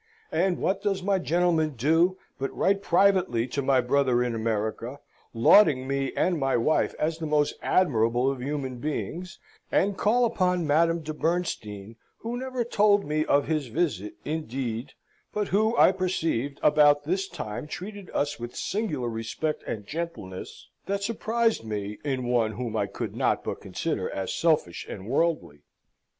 And what does my gentleman do but write privately to my brother in America, lauding me and my wife as the most admirable of human beings, and call upon Madame de Bernstein, who never told me of his visit indeed, but who, I perceived, about this time treated us with singular respect and gentleness, that surprised me in one whom I could not but consider as selfish and worldly.